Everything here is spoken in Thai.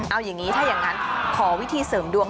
เอาอย่างนี้ถ้าอย่างนั้นขอวิธีเสริมดวง